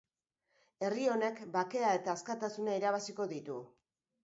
Herri honek bakea eta askatasuna irabaziko ditu.